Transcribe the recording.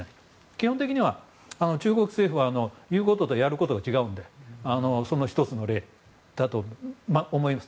基本的には中国政府は言うこととやることが違うのでその１つの例だと思います。